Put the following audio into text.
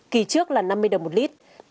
kỳ trước là năm mươi đồng một lít